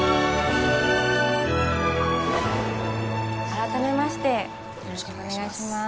改めましてよろしくお願いします